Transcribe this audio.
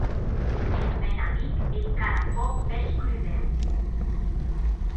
E eth mèn amic ei cada còp mès crudèu!